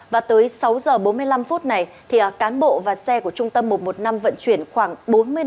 và tới sáu h bốn mươi năm phút này cán bộ và xe của trung tâm một trăm một mươi năm vận chuyển khoảng bốn mươi năm